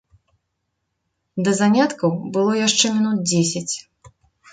Да заняткаў было яшчэ мінут дзесяць.